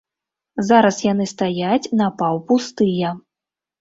Зараз яны стаяць напаўпустыя.